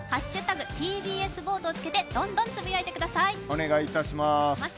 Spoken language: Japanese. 「＃ＴＢＳボート」をつけてどんどんつぶやいてください。